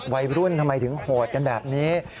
วัยรุ่นทำไมถึงโหดกันแบบนี้